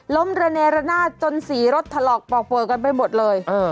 ล้มระเนรนาจนสีรถถลอกปลอกปลวนกันไปหมดเลย